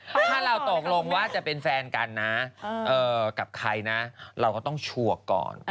ถ้าเราตกลงว่าจะเป็นแฟนกันนะกับใครนะเราก็ต้องชัวร์ก่อน